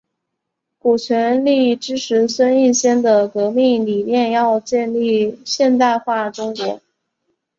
古全力支持孙逸仙的革命理念要建立现代化中国。